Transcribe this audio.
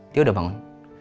dia udah bangun